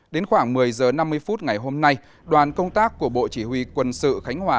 đến khoảng một mươi h năm mươi phút ngày hôm nay đoàn công tác của bộ chỉ huy quân sự khánh hòa